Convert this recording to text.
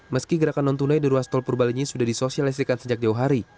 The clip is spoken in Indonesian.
meski gerakan non tunai di ruas tol purbalenyi sudah disosialisikan sejak jauh hari